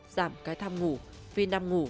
giảm cái tham ngủ vì nằm ngủ